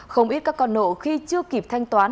không ít các con nợ khi chưa kịp thanh toán